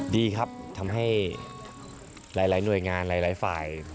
ดีครับทำให้หลายหน่วยงานหลายฝ่าย